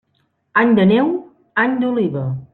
Any de neu, any d'oliva.